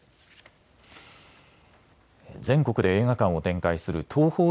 全国で映画館を展開するＴＯＨＯ